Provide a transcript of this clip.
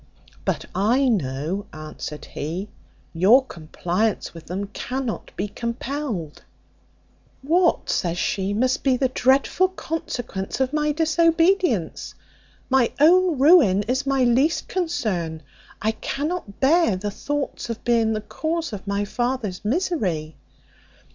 "But I know," answered he, "your compliance with them cannot be compelled." "What," says she, "must be the dreadful consequence of my disobedience? My own ruin is my least concern. I cannot bear the thoughts of being the cause of my father's misery."